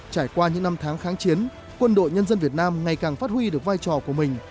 trải qua những năm tháng kháng chiến quân đội nhân dân việt nam ngày càng phát huy được vai trò của mình